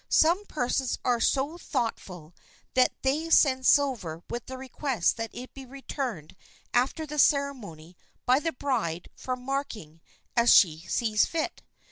Some persons are so thoughtful that they send silver with the request that it be returned after the ceremony by the bride for marking as she sees fit.